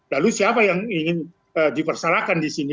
lalu siapa yang ingin dipersalahkan di sini